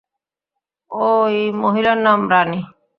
ওই মহিলার নাম রানী।